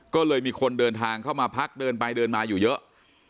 ก็เลยมีคนเดินทางเข้ามาพักเดินไปเดินมาอยู่เยอะ